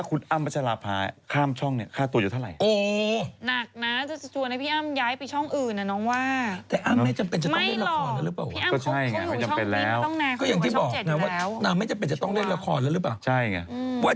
ค่ะว่าทุกคนเนี้ยวินาทีนี้ก็ต้องเป็นนักซีแดงอิสระกันแหละถึงจะรวย